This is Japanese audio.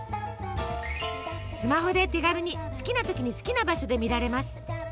スマホで手軽に好きな時に好きな場所で見られます。